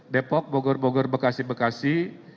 depok bogor bogor bekasi bekasi